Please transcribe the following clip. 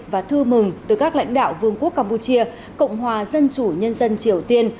và thư mừng từ các lãnh đạo vương quốc campuchia cộng hòa dân chủ nhân dân triều tiên